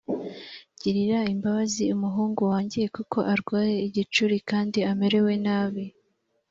girira imbabazi umuhungu wanjye kuko arwaye igicuri kandi amerewe nabi